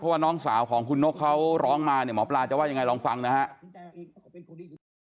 หน้าน้องสาวของคุณนกเค้าร้องมาหมอปราลจะลองฟังนะครับ